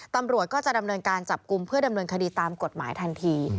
ตำรวจก็จะดำเนินการจับกลุ่มเพื่อดำเนินคดีตามกฎหมายทันที